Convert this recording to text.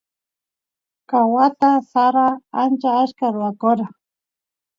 ka wata sara ancha achka ruwakora